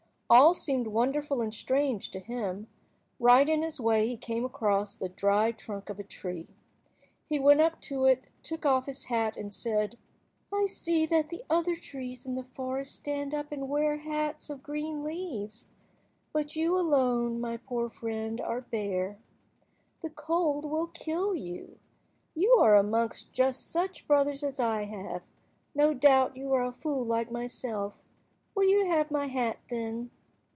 All seemed wonderful and strange to him. Right in his way he came across the dry trunk of a tree. He went up to it, took off his hat, and said— "I see that other trees in the forest stand up and wear hats of green leaves, but you alone, my poor friend, are bare. The cold will kill you. You are amongst just such brothers as I have. No doubt you are a fool like myself. Will you have my hat, then?"